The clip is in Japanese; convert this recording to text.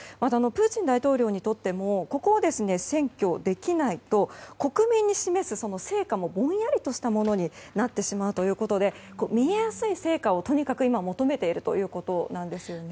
プーチン大統領にとってもここは占拠できないと国民に示す成果もぼんやりとしたものになってしまうということで見えやすい成果を今は求めているということなんです。